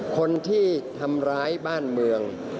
คนที่ทำร้ายบ้านเมือง